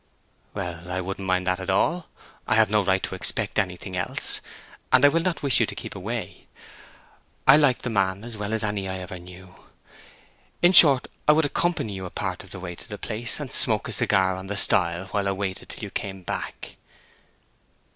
"Well, I wouldn't mind that at all. I have no right to expect anything else, and I will not wish you to keep away. I liked the man as well as any I ever knew. In short, I would accompany you a part of the way to the place, and smoke a cigar on the stile while I waited till you came back."